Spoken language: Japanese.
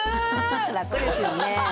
楽ですよね。